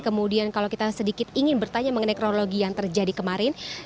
kemudian kalau kita sedikit ingin bertanya mengenai kronologi yang terjadi kemarin